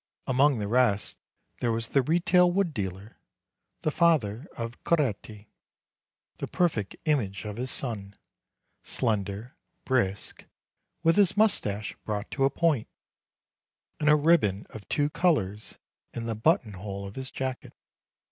Among the rest there was the retail wood dealer, the father of Coretti, the perfect image of his son, slender, brisk, with his moustache brought to a point, and a ribbon of two colors in the button hole of his jacket.